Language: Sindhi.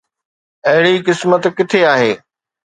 اهڙي قسمت ڪٿي آهي؟